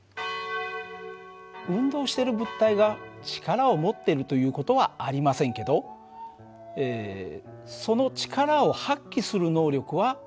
運動してる物体が力を持ってるという事はありませんけどその力を発揮する能力は持っています。